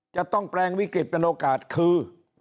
จะต้องแปลงวิกฤตเป็นโอกาสคือ